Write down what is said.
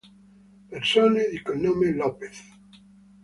Persone di cognome López